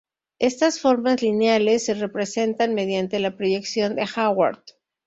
Estas formas lineales se representan mediante la proyección de Haworth.